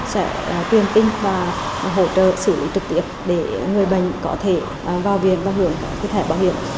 sẽ truyền tin và hỗ trợ xử lý trực tiếp để người bệnh có thể vào viện và hưởng thẻ bảo hiểm